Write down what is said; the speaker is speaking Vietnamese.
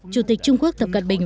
chủ tịch trung quốc tập cận bình